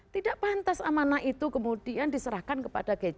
tidak pantas amanah itu kemudian diserahkan kepada gadget kepada android